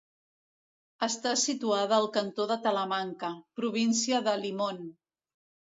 Està situada al cantó de Talamanca, província de Limón.